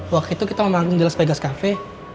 waktu itu kita mau nanggung di las vegas cafe